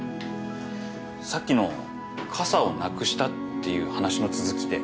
さっきの傘をなくしたっていう話の続きで。